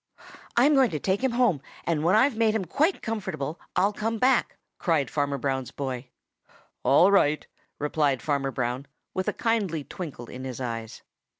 "I'm going to take him home, and when I've made him quite comfortable, I'll come back," cried Farmer Brown's boy. "All right," replied Farmer Brown, with a kindly twinkle in his eyes.